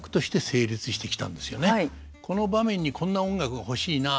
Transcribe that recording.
この場面にこんな音楽が欲しいなと。